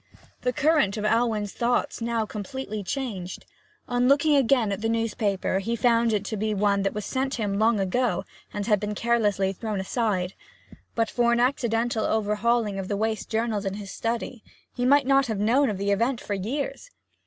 The current of Alwyn's thoughts now completely changed. On looking again at the newspaper he found it to be one that was sent him long ago, and had been carelessly thrown aside. But for an accidental overhauling of the waste journals in his study he might not have known of the event for years.